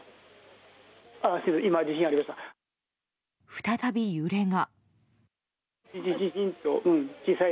再び揺れが。